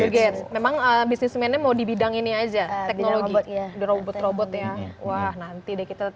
yoga memang bisnismennya mau di bidang ini aja teknologi robot robot ya wah nanti deh kita